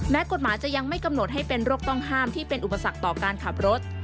กฎหมายจะยังไม่กำหนดให้เป็นโรคต้องห้ามที่เป็นอุปสรรคต่อการขับรถ